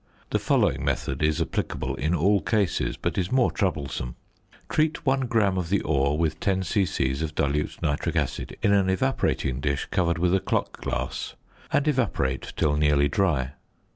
The following method is applicable in all cases, but is more troublesome: Treat 1 gram of the ore with 10 c.c. of dilute nitric acid in an evaporating dish covered with a clock glass, and evaporate till nearly dry.